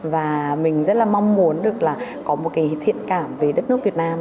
và mình rất là mong muốn được là có một cái thiện cảm về đất nước việt nam